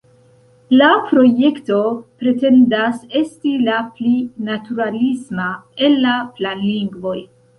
La projekto pretendas esti la pli naturalisma el la planlingvoj.